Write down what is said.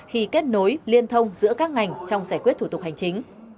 khi kết nối liên thông giữa các ngành trong giải quyết thủ tục hành chính